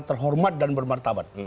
terhormat dan bermartabat